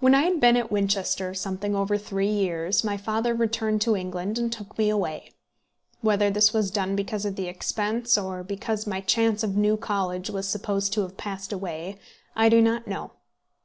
When I had been at Winchester something over three years, my father returned to England and took me away. Whether this was done because of the expense, or because my chance of New College was supposed to have passed away, I do not know.